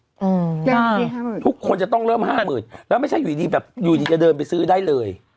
อื้อทุกคนจะต้องเริ่ม๕๐๐๐๐แล้วไม่ใช่อยู่ดีอยู่ที่จะเดินไปซื้อได้เลย